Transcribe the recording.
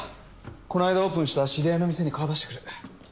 この間オープンした知り合いの店に顔出してくる。